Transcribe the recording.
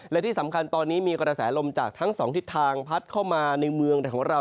และที่สำคัญตอนนี้มีกระแสลมจากทั้งสองทิศทางพัดเข้ามาในเมืองของเรา